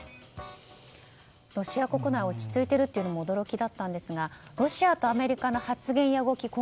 ロシア国内落ち着いているというのも驚きだったんですがロシアとアメリカの発言や動き